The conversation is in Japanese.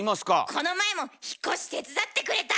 この前も引っ越し手伝ってくれた！